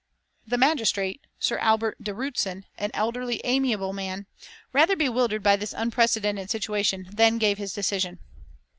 The magistrate, Sir Albert de Rutzen, an elderly, amiable man, rather bewildered by this unprecedented situation, then gave his decision.